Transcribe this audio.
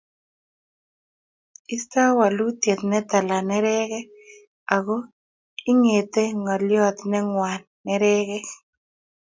Istoi waluunet ne tala nereegek , ago ing'eeti ng'olyot ne ng'waan nereegek.